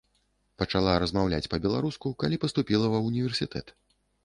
Пачала размаўляць па-беларуску, калі паступіла ва ўніверсітэт.